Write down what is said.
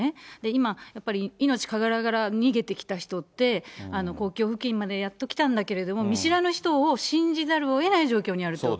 今、やっぱり、命からがら逃げてきた人って、国境付近までやっと来たんですけれども、見知らぬ人を信じざるをえない状況にあると。